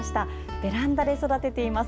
ベランダで育てています。